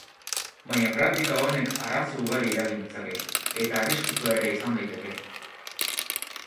Baina praktika honek arazo ugari eragin ditzake, eta arriskutsua ere izan daiteke.